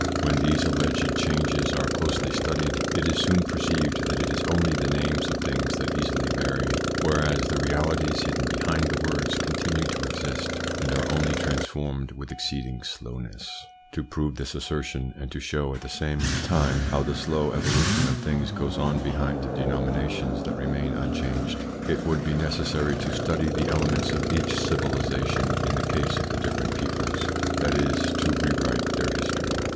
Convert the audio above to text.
When these alleged changes are closely studied, it is soon perceived that it is only the names of things that easily vary, whereas the realities hidden behind the words continue to exist and are only transformed with exceeding slowness. To prove this assertion, and to show at the same 84 THE PSYCHOLOGY OF PEOPLES: time how the slow evolution of things goes on behind denominations that remain unchanged, it would be necessary to study the elements of each civilisation in the case of the different peoples, that is to re write their history.